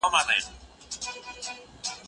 ښوونځی له کتابتونه ښه دی،